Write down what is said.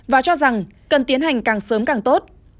và cho rằng cần tiến hành càng sớm càng tốt